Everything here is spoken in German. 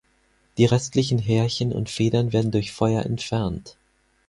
Die restlichen Härchen und Federn werden durch Feuer entfernt.